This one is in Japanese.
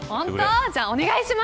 じゃあ、お願いします。